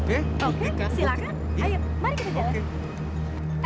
enggak mau bukti